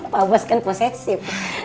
pak bos kan posesif